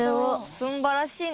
素晴らしいな。